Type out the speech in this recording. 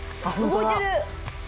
動いてる。